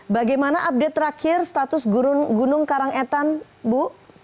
bagaimana update terakhir status gunung karangetan bu